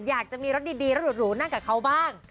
อยากจะมีรถดีรถหรูนั่งกับเขาบ้าง